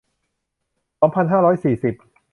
สองพันห้าร้อยสี่สิบ